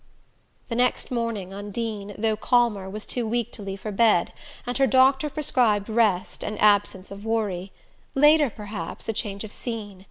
The next morning Undine, though calmer, was too weak to leave her bed, and her doctor prescribed rest and absence of worry later, perhaps, a change of scene.